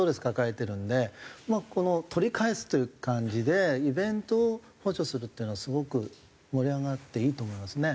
この取り返すという感じでイベントを補助するっていうのはすごく盛り上がっていいと思いますね。